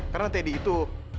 karena teddy itu